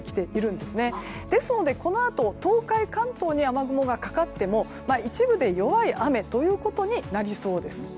ですので、このあと東海、関東には雨雲がかかっても一部で弱い雨ということになりそうです。